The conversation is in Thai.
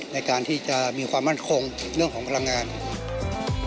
ในการที่จะมีความมั่นคงเรื่องของพลังงาน